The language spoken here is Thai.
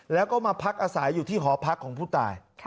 แล้วก็มาพักอาศัยอยู่ที่หอพักของผู้ตาย